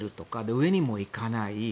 上にも行かない。